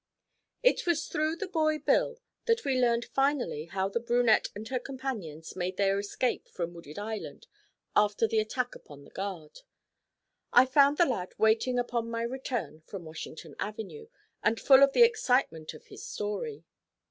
It was through the boy Bill that we learned finally how the brunette and her companions made their escape from Wooded Island after the attack upon the guard. I found the lad waiting upon my return from Washington Avenue, and full of the excitement of his story.